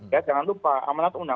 ya jangan lupa amanat undang